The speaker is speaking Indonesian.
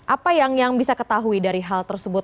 apa yang bisa ketahui dari hal tersebut